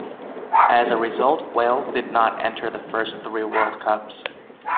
As a result, Wales did not enter the first three World Cups.